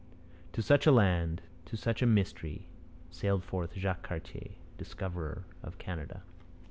To such a land to such a mystery sailed forth Jacques Cartier, discoverer of Canada.